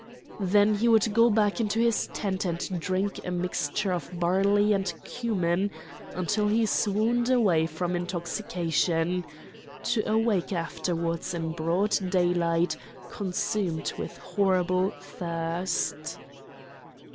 Then he would go back into his tent and drink a mixture of barley and cumin until he swooned away from intoxication,—to awake afterwards in broad daylight consumed with horrible thirst.